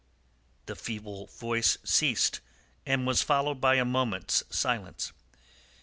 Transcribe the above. The feeble voice ceased, and was followed by a moment's silence.